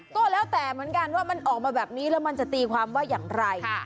ก็แล้วแต่เหมือนกันว่ามันออกมาแบบนี้แล้วมันจะตีความว่าอย่างไร